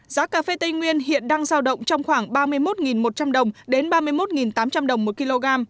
giá cà phê tây nguyên hiện đang giao động trong khoảng ba mươi một một trăm linh đồng đến ba mươi một tám trăm linh đồng một kg